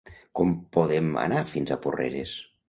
Com podem anar fins a Porreres?